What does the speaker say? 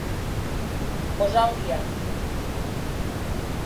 Posar al dia.